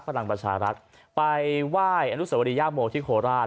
ฝรั่งประชารัฐไปไหว้อนุสาวริยาโมทิโฮราต